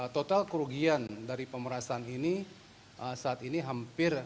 total kerugian dari pemerasan ini saat ini hampir